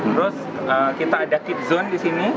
terus kita ada kit zone disini